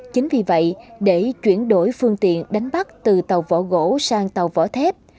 chính vì vậy để chuyển đổi phương tiện đánh bắt từ tàu vỏ gỗ sang tàu vỏ thép